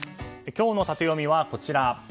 今日のタテヨミはこちら。